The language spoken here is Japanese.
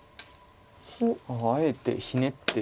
あえてひねって。